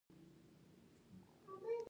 تصوف د زړه د تصفیې درس ورکوي.